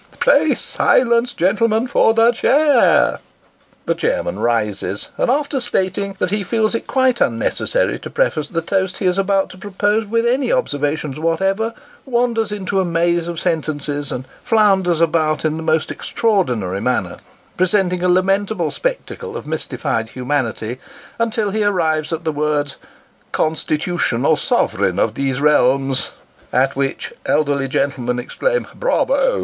Pray silence gentlemen for the cha i r !" The chairman rises, and, after stating that he feels it quite unnecessary to preface the toast he is about to propose, with any observations whatever, wanders into a maze of sentences, and flounders about in the most extraordinary manner, presenting a lamentable spectacle of mystified humanity, until he arrives at the words, " constitutional sovereign of these realms," at which elderly gentlemen exclaim " Bravo